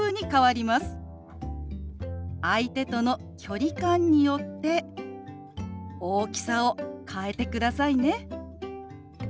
相手との距離感によって大きさを変えてくださいね。